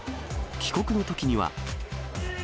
帰国のときには。